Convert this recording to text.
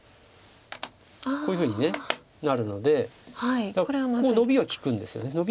こういうふうになるのでここノビが利くんですよね。